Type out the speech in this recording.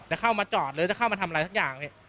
เข้ามาจอดหรือจะเข้ามาทำอะไรสักอย่างพี่